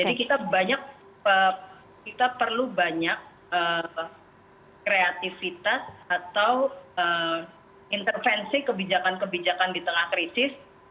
jadi kita banyak kita perlu banyak kreativitas atau intervensi kebijakan kebijakan di tengah krisis